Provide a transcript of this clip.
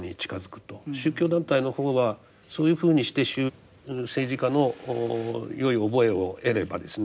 宗教団体の方はそういうふうにして政治家のよい覚えを得ればですね